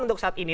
untuk saat ini